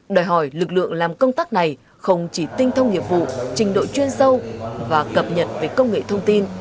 đòi hỏi lực lượng làm công tác này không chỉ tinh thông nghiệp vụ trình độ chuyên sâu và cập nhật về công nghệ thông tin